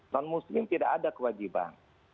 non muslim tidak ada kewajiban